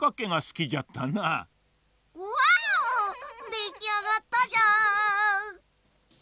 できあがったじゃーん。